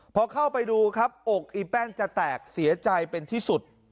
พอเข้าไปดูครับอกอีแป้งจะแตกเสียใจเป็นที่สุด